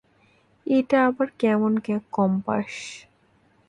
এটা আবার কেমন কম্পাস।